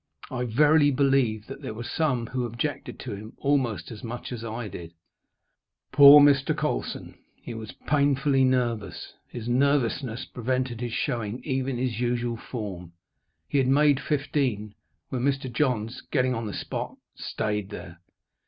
I verily believe that there were some who objected to him almost as much as I did. Poor Mr. Colson! He was painfully nervous. His nervousness prevented his showing even his usual form. He had made fifteen, when Mr. Johns, getting on the spot, stayed there.